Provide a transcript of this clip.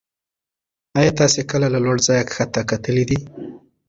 ایا تاسې کله له لوړ ځایه کښته کتلي دي؟